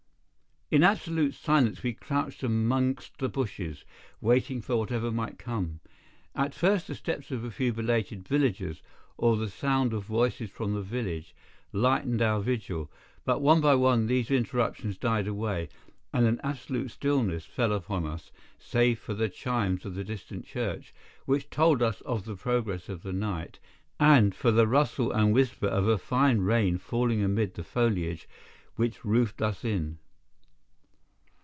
In absolute silence we crouched amongst the bushes, waiting for whatever might come. At first the steps of a few belated villagers, or the sound of voices from the village, lightened our vigil, but one by one these interruptions died away, and an absolute stillness fell upon us, save for the chimes of the distant church, which told us of the progress of the night, and for the rustle and whisper of a fine rain falling amid the foliage which roofed us in.